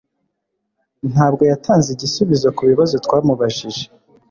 Ntabwo yatanze igisubizo kubibazo twamubajije.